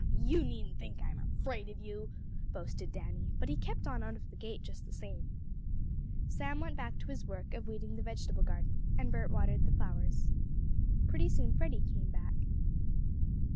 "Huh! You needn't think I'm afraid of you!" boasted Danny, but he kept on out of the gate just the same. Sam went back to his work, of weeding the vegetable garden and Bert watered the flowers. Pretty soon Freddie came back.